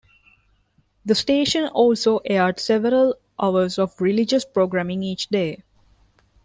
The station also aired several hours of religious programming each day.